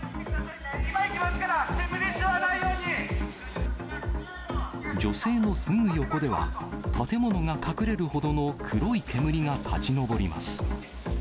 今、行きますから、煙吸わな女性のすぐ横では、建物が隠れるほどの黒い煙が立ち上ります。